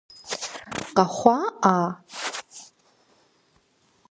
Къэхъуа-Ӏа?